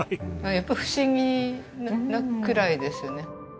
やっぱり不思議なくらいですね。